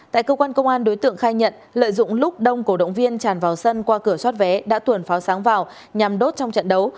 tại cơ quan công an đối tượng khai nhận lợi dụng lúc đông cổ động viên tràn vào sân qua cửa xoát vé đã tuồn pháo sáng vào nhằm đốt trong trận đấu